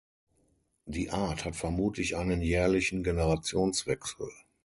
Die Art hat vermutlich einen jährlichen Generationswechsel.